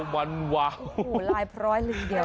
โอ้โฮลายเพราะอีกเดียว